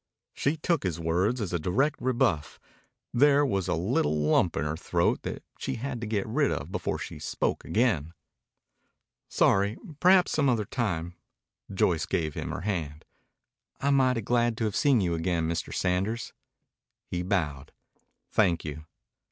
She took his words as a direct rebuff. There was a little lump in her throat that she had to get rid of before she spoke again. "Sorry. Perhaps some other time." Joyce gave him her hand. "I'm mighty glad to have seen you again, Mr. Sanders." He bowed. "Thank you."